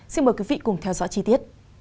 xin mời quý vị cùng theo dõi chi tiết